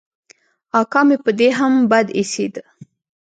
اکا مې په دې هم بد اېسېد.